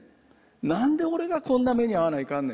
なんで俺がこんな目に遭わないかんねん。